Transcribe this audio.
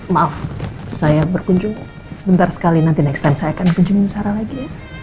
maaf saya berkunjung sebentar sekali nanti next time saya akan kunjungi sarah lagi ya